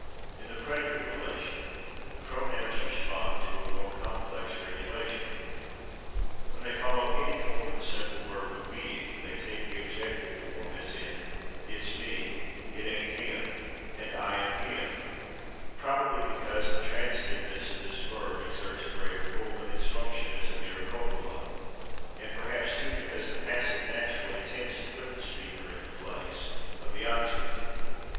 In the predicate relation the pronouns respond to a more complex regulation. When they follow any form of the simple verb of being they take the objective form, as in "it's /me/," "it ain't /him/," and "I am /him/," probably because the transitiveness of this verb exerts a greater pull than its function as a mere copula, and perhaps, too, because the passive naturally tends to put the speaker in the place of the object.